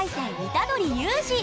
虎杖悠仁。